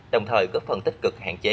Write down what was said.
đồng thời có phần tích cực hạn chế